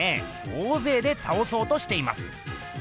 大ぜいでたおそうとしています。